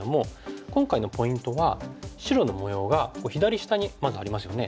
今回のポイントは白の模様が左下にまずありますよね。